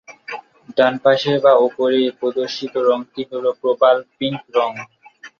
ডানপাশে বা উপরে প্রদর্শিত রঙটি হলো প্রবাল পিঙ্ক রঙ।